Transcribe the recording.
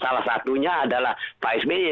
salah satunya adalah pak sby